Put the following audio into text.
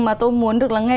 mà tôi muốn được lắng nghe